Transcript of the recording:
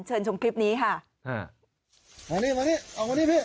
ชมคลิปนี้ค่ะอ่ามานี่มานี่ออกมานี่พี่